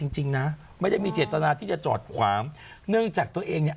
จริงนะไม่ได้มีเจตนาที่จะจอดความเนื่องจากตัวเองอายุ